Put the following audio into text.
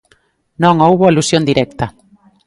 Non houbo alusión directa.